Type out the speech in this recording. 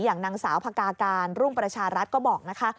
อย่างนางสาวพกาการรุ่งประชารัฐก็บอกนะคะ